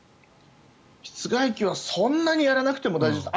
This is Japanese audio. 室外機はそんなにやらなくても大丈夫です。